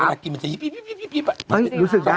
เวลากินมันจะยิปไม่รู้สึกได้